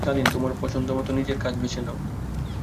তুমি তো স্বাধীন, তোমার পছন্দমত নিজের কাজ বেছে নাও।